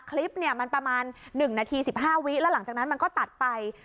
คลิปเนี่ยมันประมาณ๑นาที๑๕วิแล้วหลังจากนั้นมันก็ตัดไป